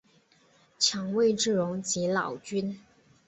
强为之容即老君。